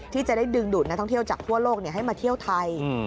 ที่จะได้ดึงดูดนักท่องเที่ยวจากทั่วโลกให้มาเที่ยวไทย